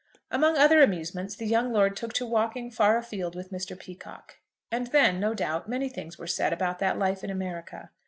Among other amusements the young lord took to walking far afield with Mr. Peacocke. And then, no doubt, many things were said about that life in America.